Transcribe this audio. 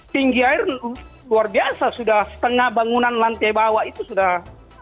tinggi air luar biasa sudah setengah bangunan lantai bawah itu sudah